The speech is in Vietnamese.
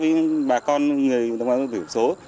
với bà con người đồng bào dân tộc thiểu số